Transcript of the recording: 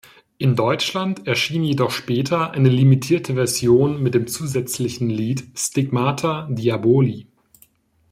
In Deutschland erschien jedoch später eine limitierte Version mit dem zusätzlichen Lied "Stigmata Diaboli".